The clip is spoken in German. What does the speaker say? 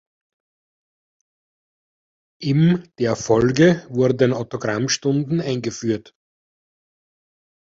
Im der Folge wurden Autogramm-Stunden eingeführt.